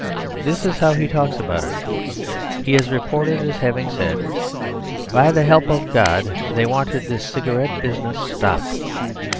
This is how he talks about it. He is reported as having said, "By the help of God, they wanted this cigarette business stopped."